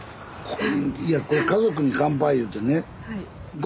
いやこれ「家族に乾杯」いうてね